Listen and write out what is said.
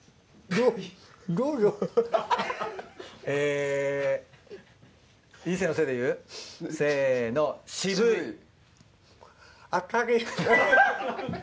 えっ